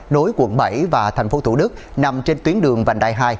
nối quận bảy và thành phố thủ đức nằm trên tuyến đường vành đai hai